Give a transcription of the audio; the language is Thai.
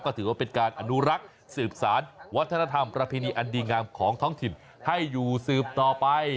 ก็ถือว่าเป็นการอนุรักษ์สืบสารวัฒนธรรมประเพณีอันดีงามของท้องถิ่นให้อยู่สืบต่อไป